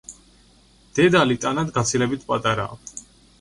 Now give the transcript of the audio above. დედალი ტანად გაცილებით პატარაა.